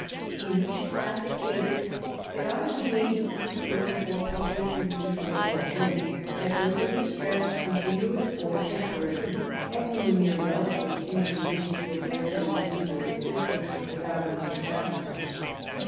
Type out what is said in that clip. In each class of cases it ought to be made equally clear, before public relief were called in, that those in distress, continuous or temporary, had no near relatives in a condition to afford them reasonable assistance without undue sacrifice.